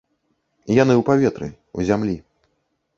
Яны ў паветры, у зямлі.